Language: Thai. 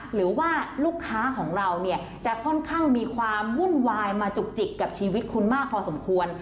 หรือว่าลูกค้าของเราเนี่ยจะค่อนข้างมีความวุ่นวายมาจุกจิกกับชีวิตคุณมากพอสมควร